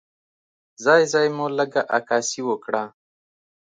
ځای ځای مو لږه عکاسي وکړه.